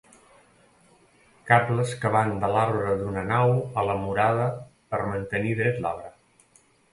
Cables que van de l'arbre d'una nau a la murada per mantenir dret l'arbre.